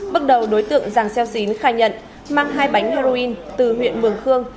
bước đầu đối tượng giàng xeo xín khai nhận mang hai bánh heroin từ huyện mường khương